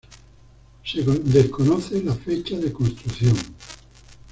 Se desconoce la fecha de construcción.